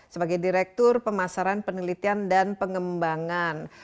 sebagai direktur pemasaran penelitian dan pengembangan